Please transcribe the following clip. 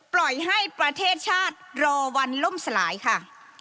ปล่อยให้ประเทศชาติรอวันล่มสลายค่ะ